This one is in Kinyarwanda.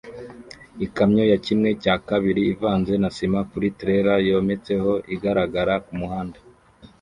Ikamyo ya kimwe cya kabiri ivanze na sima kuri trailer yometseho ihagarara kumuhanda